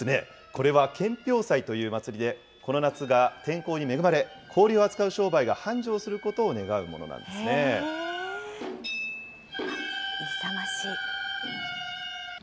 これは献氷祭という祭りで、この夏が天候に恵まれ、氷を扱う商売が繁盛することを願勇ましい。